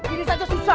ini saja susah